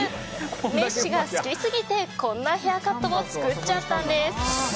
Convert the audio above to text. メッシが好きすぎてこんなヘアカットも作っちゃったんです。